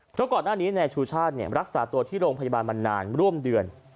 เพราะก่อนหน้านี้นายชูชาติรักษาตัวที่โรงพยาบาลมานานร่วมเดือน